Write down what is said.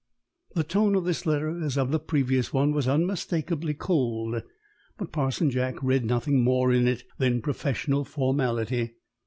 The tone of this letter, as of the previous one, was unmistakably cold, but Parson Jack read nothing more in it than professional formality.